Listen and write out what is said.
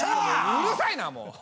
うるさいなもう！